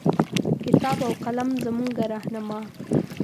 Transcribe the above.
کتاب او قلم زمونږه رهنما